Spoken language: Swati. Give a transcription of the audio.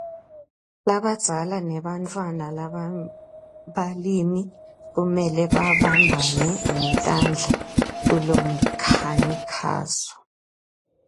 Labadzala nebantfwana lababalimi kumele babambane ngetandla kulomkhankhaso.